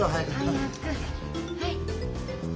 はい。